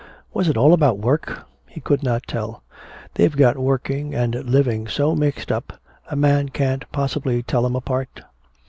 Was it all about work? He could not tell. "They've got working and living so mixed up, a man can't possibly tell 'em apart."